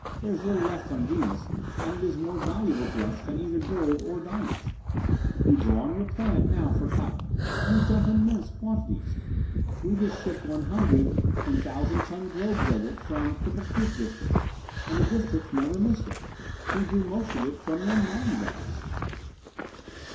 There is little left on Venus, and it is more valuable to us than either gold or diamonds. We draw on your planet now for talc. You dump immense quantities. We just shipped one hundred 1,000 ton globes of it from the Cripple Creek district, and the district never missed it. We drew most of it from your mine dumps."